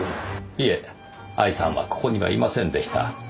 いえ愛さんはここにはいませんでした。